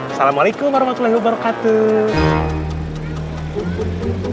assalamualaikum warahmatullahi wabarakatuh